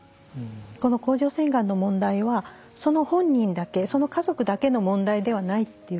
この甲状腺がんの問題はその本人だけその家族だけの問題ではないということ。